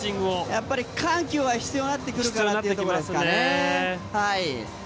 やはり緩急は必要になってくるかなというところですね。